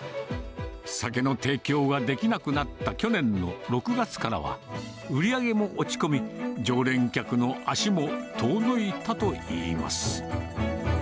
酒の提供ができなくなった去年の６月からは、売り上げも落ち込み、常連客の足も遠のいたといいます。